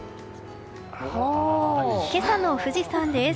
今朝の富士山です。